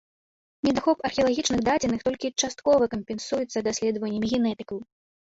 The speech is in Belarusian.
Недахоп археалагічных дадзеных толькі часткова кампенсуецца даследаваннямі генетыкаў.